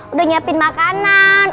udah nyiapin makanan